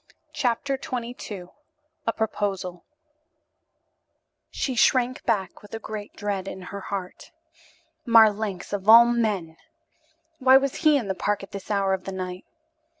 CHAPTER XXII A PROPOSAL She shrank back with a great dread in her heart. Marlanx, of all men! Why was he in the park at this hour of the night?